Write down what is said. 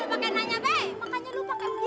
lu pake nanya peh makanya lu pake begitu